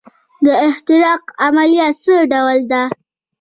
د احتراق عملیه څه ډول ده.